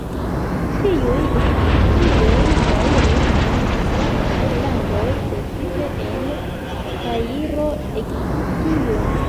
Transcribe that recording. Tiuj institucioj daŭris en islamaj landoj, precipe en Kairo, Egiptio.